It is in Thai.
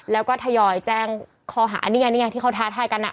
แล้วก็ทยอยแจ้งคอหานี่ไงที่เขาทาทายกันน่ะ